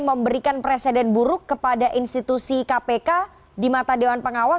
memberikan presiden buruk kepada institusi kpk di mata dewan pengawas